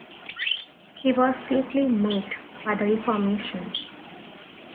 He was deeply moved by the Reformation.